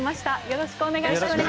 よろしくお願いします。